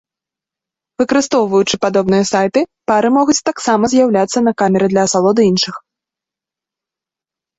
Выкарыстоўваючы падобныя сайты, пары могуць таксама з'яўляцца на камеры для асалоды іншых.